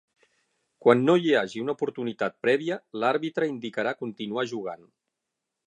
Quan no hi hagi una oportunitat prèvia, l'àrbitre indicarà continuar jugant.